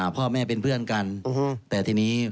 พ่อแม่เป็นเพื่อนกันแต่ทีนี้